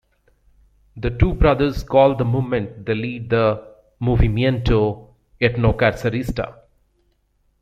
The two brothers call the movement they lead the "Movimiento Etnocacerista".